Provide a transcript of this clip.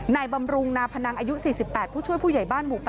บำรุงนาพนังอายุ๔๘ผู้ช่วยผู้ใหญ่บ้านหมู่๘